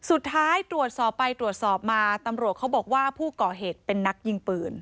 สุดท้ายตรวจสอบไปตรวจสอบมาตำรวจเขาบอกว่าผู้ก่อเหตุเป็นนักยิงปืน